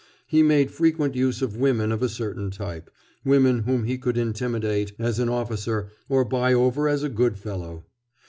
He made frequent use of women of a certain type, women whom he could intimidate as an officer or buy over as a good fellow.